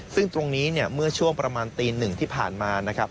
ซึ่งตรงนี้เนี่ยเมื่อช่วงประมาณตีหนึ่งที่ผ่านมานะครับ